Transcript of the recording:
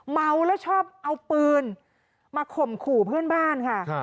เมาแล้วชอบเอาปืนมาข่มขู่เพื่อนบ้านค่ะ